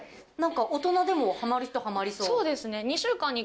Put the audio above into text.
大人でもハマる人ハマりそう。